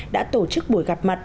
đã tổ chức buổi gặp mặt